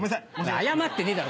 謝ってねえだろ！